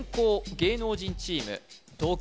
芸能人チーム東京